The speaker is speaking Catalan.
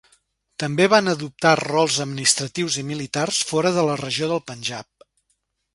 També van adoptar rols administratius i militars fora de la regió del Panjab.